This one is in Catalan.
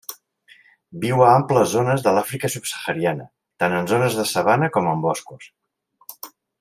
Viu a àmplies zones de l'Àfrica subsahariana, tant en zones de sabana com en boscos.